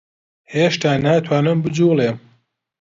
هێشتا ناتوانم بجووڵێم.